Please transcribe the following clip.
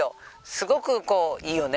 すごくこういいよね？